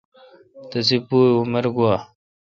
تسی پو اؘ عمر گوا۔